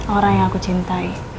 orang yang aku cintai